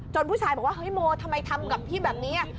ผู้ชายบอกว่าเฮ้ยโมทำไมทำกับพี่แบบนี้